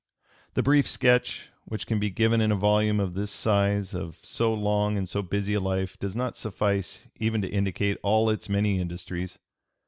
The brief sketch which can be given in a volume of this size of so long and so busy a life does not suffice even to indicate all its many industries.